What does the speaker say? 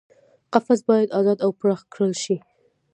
قفس باید ازاد او پراخ کړل شي.